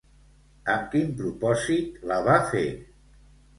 Amb quin propòsit la va fer?